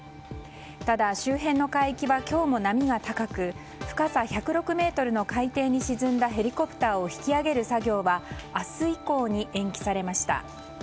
ただ、周辺の海域は今日も波が高く深さ１０６ｍの海底に沈んだヘリコプターを引き揚げる作業は明日以降に延期されました。